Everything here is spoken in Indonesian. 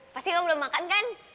pasti kamu belum makan kan